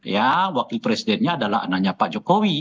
ya wakil presidennya adalah anaknya pak jokowi